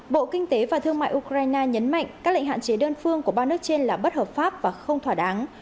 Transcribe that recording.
bộ kinh tế và thương mại ukraine nhấn mạnh các lệnh hạn chế đơn phương của ba nước trên là bất hợp pháp và không thỏa đáng